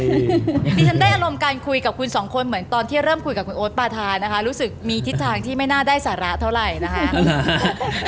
ดิฉันได้อารมณ์การคุยกับคุณสองคนเหมือนตอนที่เริ่มคุยกับคุณโอ๊ตปาธานะคะรู้สึกมีทิศทางที่ไม่น่าได้สาระเท่าไหร่นะคะ